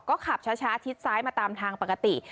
ก็ขับช้าชิดซ้ายมาตามทางปกติ